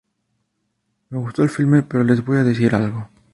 Me gustó el filme, pero les voy a decir algo.